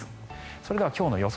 それでは今日の予想